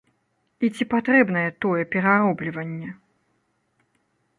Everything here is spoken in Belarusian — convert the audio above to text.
І ці патрэбнае тое пераробліванне?